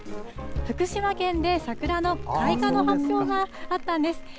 福島県で桜の開花の発表があったんです。